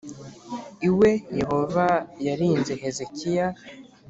iwe Yehova yarinze Hezekiya